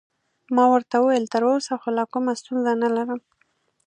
ما ورته وویل: تراوسه خو لا کومه ستونزه نلرم.